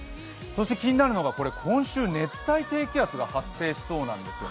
そして気になるのが今週、熱帯低気圧が発生しそうなんですよ。